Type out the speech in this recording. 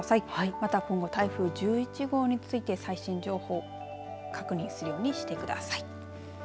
また、今後台風１１号について最新情報確認するようにしてください。